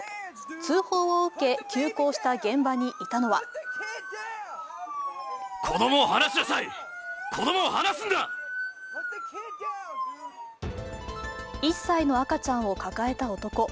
通報を受け急行した現場にいたのは１歳の赤ちゃんを抱えた男。